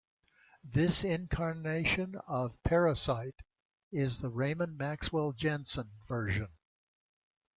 This incarnation of Parasite is the Raymond Maxwell Jensen version.